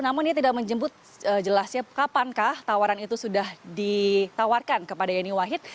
namun ia tidak menjemput jelasnya kapankah tawaran itu sudah ditawarkan kepada yeni wahid